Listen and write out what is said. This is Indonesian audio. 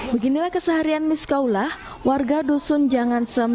beginilah keseharian miskaulah warga dosun jangansum